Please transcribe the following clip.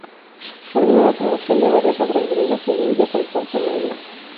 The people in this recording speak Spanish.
Ordenó la traducción de varias obras griegas e indias al persa medio.